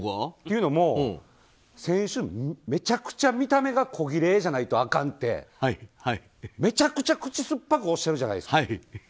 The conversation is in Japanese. というのも、選手、めちゃくちゃ見た目がこぎれいじゃないとあかんってめちゃくちゃ口酸っぱくおっしゃるじゃないですか。